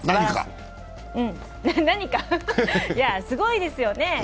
すごいですよね。